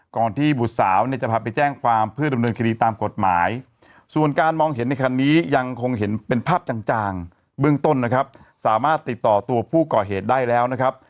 ที่บุตรสาวเนี่ยจะพาไปแจ้งความเพื่อดำเนินคดีตามกฎหมายส่วนการมองเห็นในคันนี้ยังคงเห็นเป็นภาพจางเบื้องต้นนะครับสามารถติดต่อตัวผู้ก่อเหตุได้แล้วนะครับ